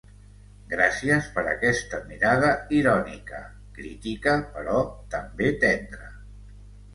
Gràcies per aquesta mirada irònica, critica però també tendra.